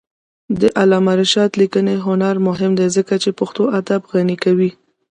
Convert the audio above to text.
د علامه رشاد لیکنی هنر مهم دی ځکه چې پښتو ادب غني کوي.